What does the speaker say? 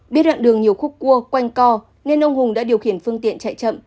biết đoạn đường nhiều khúc cua quanh co nên ông hùng đã điều khiển phương tiện chạy chậm